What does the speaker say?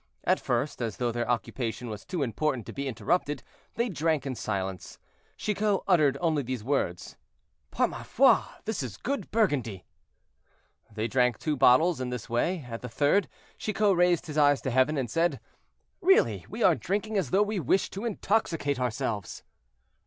At first, as though their occupation was too important to be interrupted, they drank in silence. Chicot uttered only these words: "Par ma foi! this is good Burgundy." They drank two bottles in this way; at the third, Chicot raised his eyes to heaven, and said: "Really, we are drinking as though we wished to intoxicate ourselves."